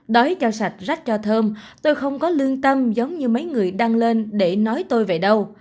đói cho sạch rách cho thơm tôi không có lương tâm giống như mấy người đăng lên để nói tôi về đâu